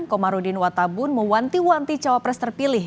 komarudin watabun mewanti wanti cawapres terpilih